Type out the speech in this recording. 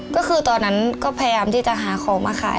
ก็คือตอนนั้นก็พยายามที่จะหาของมาขาย